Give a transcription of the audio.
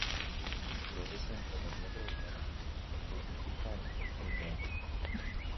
Florece entre noviembre y enero, fructifica en fin de año.